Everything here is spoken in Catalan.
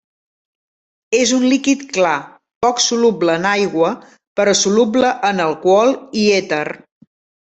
És un líquid clar, poc soluble en aigua però soluble en alcohol i èter.